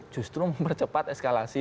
justru mempercepat eskalasi